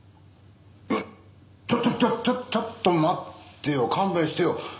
えっちょちょちょちょっと待ってよ勘弁してよ。